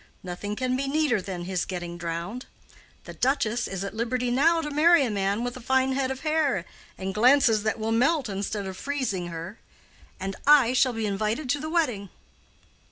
Nothing can be neater than his getting drowned. The Duchess is at liberty now to marry a man with a fine head of hair, and glances that will melt instead of freezing her. And I shall be invited to the wedding."